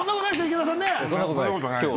池田さんね。